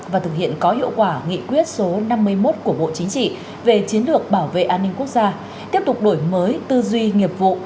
và thực hiện có hiệu quả nghị quyết số năm mươi một của bộ chính trị về chiến lược bảo vệ an ninh quốc gia tiếp tục đổi mới tư duy nghiệp vụ